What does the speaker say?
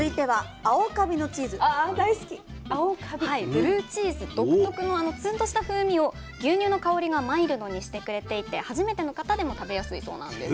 ブルーチーズ独特のあのツンとした風味を牛乳の香りがマイルドにしてくれていて初めての方でも食べやすいそうなんです。